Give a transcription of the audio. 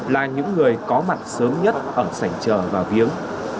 là những người có mặt sớm nhất ở sảnh trờ vào viếng